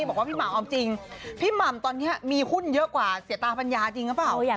บอกว่าพี่หม่ำเอาจริงพี่หม่ำตอนนี้มีหุ้นเยอะกว่าเสียตาปัญญาจริงหรือเปล่า